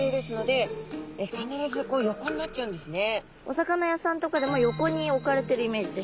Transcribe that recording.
お魚屋さんとかでも横に置かれてるイメージです。